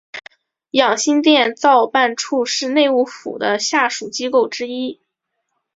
养心殿造办处是内务府的下属机构之一。